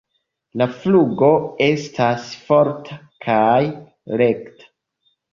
La flugo estas forta kaj rekta.